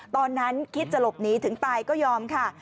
ตอนนั้นคิดจะหลบหนีถึงตายก็ยอมค่ะ